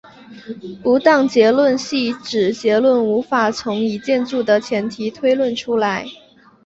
不当结论系指结论无法从已建立的前提推论出来。